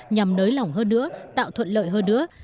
nhằm nới lỏng hơn nữa tạo thuận lợi hơn nữa